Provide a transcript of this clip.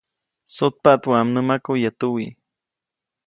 Sutpaʼt waʼa mnämaku yäʼ tuwi.